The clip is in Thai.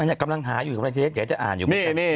อันนี้กำลังหาอยู่กำลังเทรดอยากจะอ่านอยู่